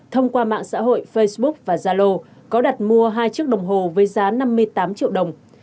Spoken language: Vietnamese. thông qua mạng xã hội facebook và zalo có đặt mua hai chiếc đồng hồ với giá năm mươi tám triệu đồng